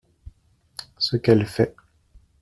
Ce qu'elle fait !